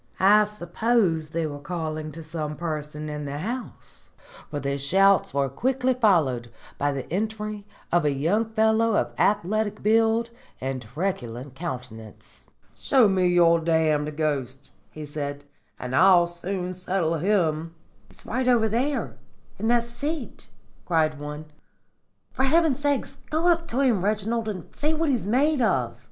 I suppose they were calling to some person in the house, for the shouts were quickly followed by the entry of a young fellow of athletic build and truculent countenance. "'Show me your damned ghost,' he said, 'and I'll soon settle him.' "'He's over there in that seat,' cried one. 'For heaven's sake, go up to him, Reginald, and see what he's made of.'